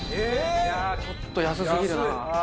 いやあちょっと安すぎるな。